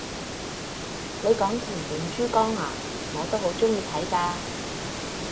你講情滿珠江咓，我都好鍾意睇㗎！